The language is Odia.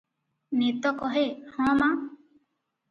ନେତ କହେ, ହଂ ମାଁ ।